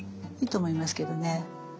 いいと思いますけどね。